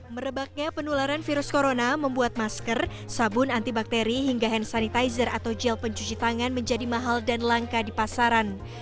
merebaknya penularan virus corona membuat masker sabun antibakteri hingga hand sanitizer atau gel pencuci tangan menjadi mahal dan langka di pasaran